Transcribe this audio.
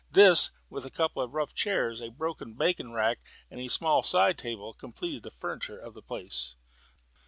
This, with a couple of rough chairs, a broken bacon rack, and a small side table, completed the furniture of the place.